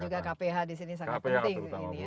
dan juga kph di sini sangat penting